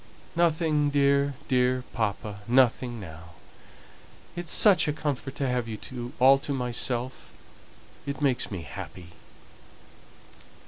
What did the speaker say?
"Nothing, dear, dear papa nothing now. It is such a comfort to have you all to myself it makes me happy."